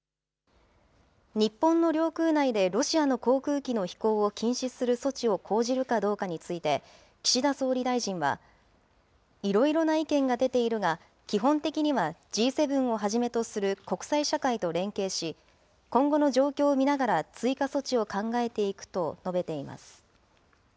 日本の領空内でロシアの航空機の飛行を禁止する措置を講じるかどうかについて、岸田総理大臣は、いろいろな意見が出ているが、基本的にはＧ７をはじめとする国際社会と連携し、今後の状況を見ながら、追加措置を考えていくと述べています。